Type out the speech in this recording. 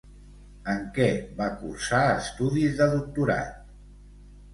En què va cursar estudis de doctorat?